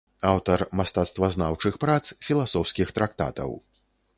Аўтар мастацтвазнаўчых прац, філасофскіх трактатаў.